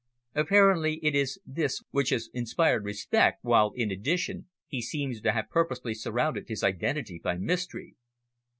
Apparently it is this which has inspired respect, while, in addition, he seems to have purposely surrounded his identity by mystery."